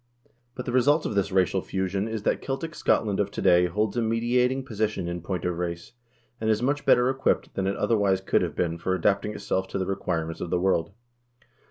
But the result of this racial fusion is that Celtic Scotland of to day holds a mediating position in point of race, and is much better equipped than it otherwise could have been for adapting itself to the requirements of the world.